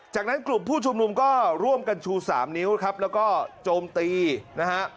จากนั้นกลุ่มผู้ชุมนุมก็ร่วมกันชูสามนิ้วครับแล้วก็โจมตีนะฮะ